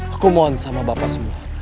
aku mohon sama bapak semua